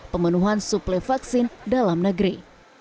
pemenuhan suplai vaksin dalam negeri